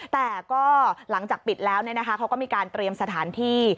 แต่ก็หลังจากปิดแล้วเขาก็มีการเตรียมสถานที่